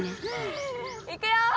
いくよ。